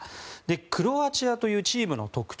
クロアチアというチームの特徴